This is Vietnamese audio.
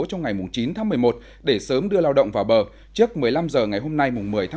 trong ngày chín một mươi một để sớm đưa lao động vào bờ trước một mươi năm h ngày hôm nay một mươi một mươi một